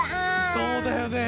そうだよね。